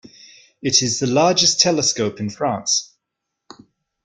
It is the largest telescope in France.